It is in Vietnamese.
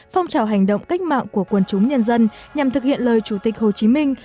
phong trào hành động cách mạng của quân chúng nhân dân nhằm thực hiện lời chủ tịch hồ chí minh